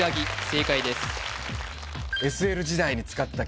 正解です